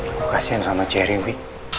aku kasian sama cherry wi